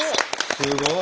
すごい！